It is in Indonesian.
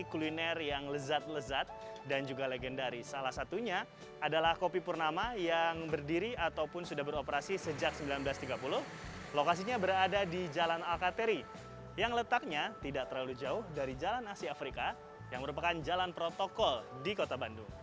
perkembangan menunya kita sesuaikan dengan update sekarang ya tapi tidak melepas menu menu yang lama